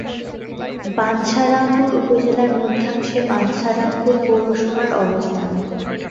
বাঞ্ছারামপুর উপজেলার মধ্যাংশে বাঞ্ছারামপুর পৌরসভার অবস্থান।